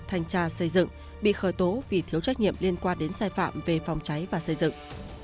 thanh tra xây dựng bị khởi tố vì thiếu trách nhiệm liên quan đến sai phạm về phòng cháy và xây dựng